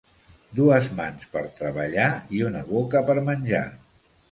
Dues mans per treballar i una boca per menjar.